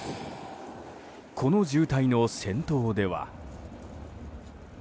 この渋滞の先頭では。